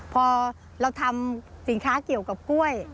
พอเราทำสินค้าเกี่ยวกับกล้วย